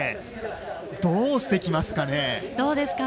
どうしてきますかね。